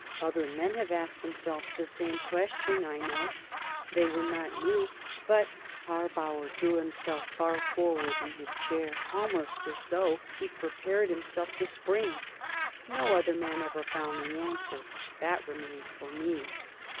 Other men have asked themselves the same questions, I know; they were not new. But," Harbauer drew himself far forward in his chair, and leaned close to me, almost as though he prepared himself to spring "no other man ever found the answer! That remained for me.